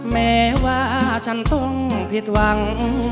แม้ว่าฉันต้องผิดหวัง